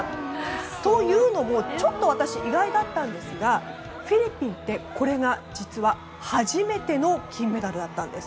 というのもちょっと私意外だったんですがフィリピンってこれが実は初めての金メダルだったんです。